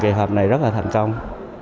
thành công kỳ họp này rất là thành công